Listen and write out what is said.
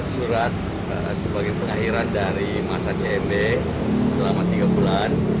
surat sebagai pengakhiran dari masa cmb selama tiga bulan